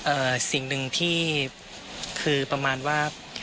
สิ่งหนึ่งที่คือประมาณว่า